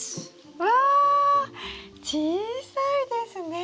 うわ小さいですね。